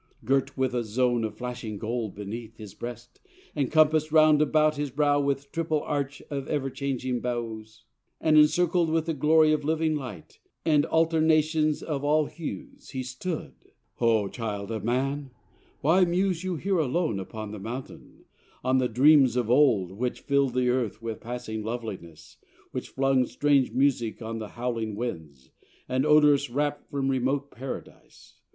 Girt with a Zone of flashing gold beneath His breast, and compass'd round about his brow With triple arch of everchanging bows, And circled with the glory of living light And alternations of all hues, he stood. 'O child of man, why muse you here alone Upon the Mountain, on the dreams of old Which fill'd the Earth with passing loveliness, Which flung strange music on the howling winds, And odours rapt from remote Paradise?